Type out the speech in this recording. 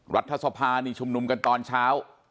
รัฐสภานี่ชุมนุมกันตอนเช้า